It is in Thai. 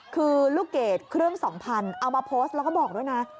คือลูกเกดเครื่อง๒๐๐๐เอามาโพสต์แล้วก็บอกด้วยนะ